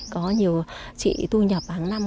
có nhiều chị thu nhập hàng năm